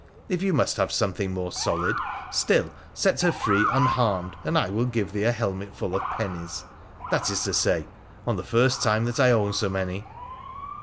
If you must have something more solid — still, set her free, unharmed, and I will give thee a helmetful of pennies — that is to say, on the first time that I own so many.'